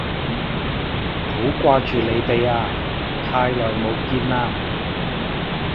好掛住你哋啊，太耐冇見喇